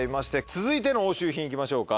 続いての押収品いきましょうか。